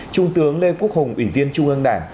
trung tướng lê quốc hùng ủy viên trung ương đảng